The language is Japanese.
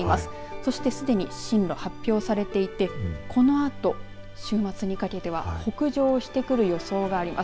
そして、すでに進路が発表されていてこのあと週末にかけては北上してくる予想があります。